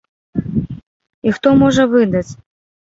І хто можа выдаць?